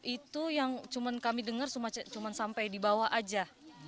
itu yang kami dengar cuma sampai di bawah aja